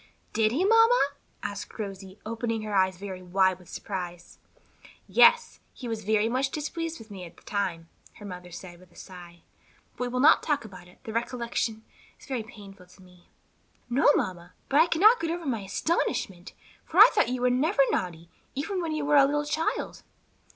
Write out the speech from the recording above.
"Did he, mamma?" asked Rosie, opening her eyes very wide with surprise. "Yes, he was very much displeased with me at the time," her mother said with a sigh. "But we will not talk about it; the recollection is very painful to me." "No, mamma; but I cannot get over my astonishment, for I thought you were never naughty, even when you were a little child."